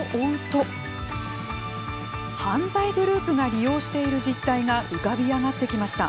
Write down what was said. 犯罪グループが利用している実態が浮かび上がってきました。